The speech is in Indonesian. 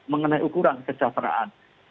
mengenai ukuran kesejahteraan